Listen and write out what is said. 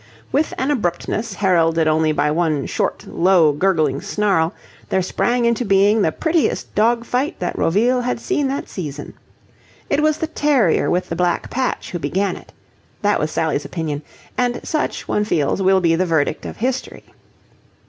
With an abruptness heralded only by one short, low gurgling snarl, there sprang into being the prettiest dog fight that Roville had seen that season. It was the terrier with the black patch who began it. That was Sally's opinion: and such, one feels, will be the verdict of history.